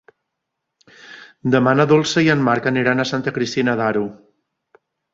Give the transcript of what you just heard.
Demà na Dolça i en Marc aniran a Santa Cristina d'Aro.